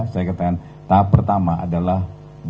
saya katakan tahap pertama adalah